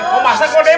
mau masak mau demo